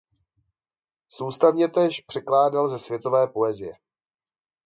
Soustavně též překládal ze světové poezie.